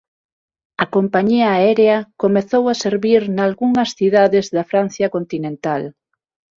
A compañía aérea comezou a servir en algunhas cidades da Francia continental.